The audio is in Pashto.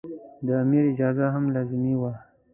د امیر اجازه هم لازمي وه.